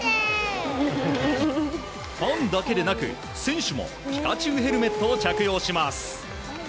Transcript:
ファンだけでなく選手もピカチュウヘルメットを着用します。